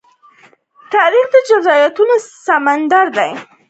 تاریخ د جذباتو سمندر دی.